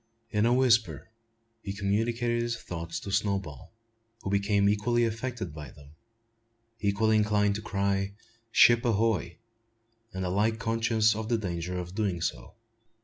In a whisper he communicated his thoughts to Snowball, who became equally affected by them, equally inclined to cry "Ship ahoy!" and alike conscious of the danger of doing so.